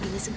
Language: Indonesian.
ya udah yuk